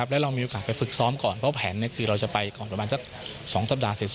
แล้วเรามีโอกาสไปฝึกซ้อมก่อนเพราะแผนคือเราจะไปก่อนประมาณสัก๒สัปดาห์เสร็จ